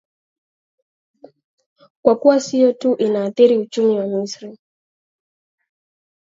kwa kuwa sio tu inaathiri uchumi wa misri